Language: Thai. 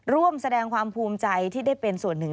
ร่วมแสดงความภูมิใจที่ได้เป็นส่วนหนึ่ง